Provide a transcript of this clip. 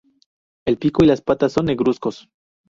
El pico y las patas son negruzcos.